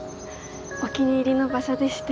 お気に入りの場所でして。